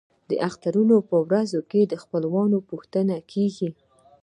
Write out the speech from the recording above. د اخترونو په ورځو کې د خپلوانو پوښتنه کیږي.